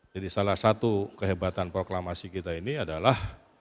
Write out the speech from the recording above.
jadi salah satu kehebatan proklamasi kita ini adalah